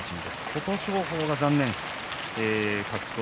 琴勝峰、残念です。